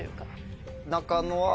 中野は？